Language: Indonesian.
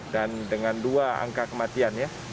dan dengan dua angka kematian ya